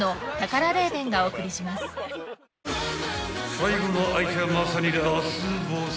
［最後の相手はまさにラスボス］